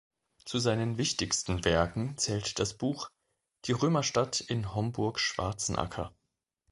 Zu seinen wichtigsten Werken zählt das Buch "Die Römerstadt in Homburg-Schwarzenacker".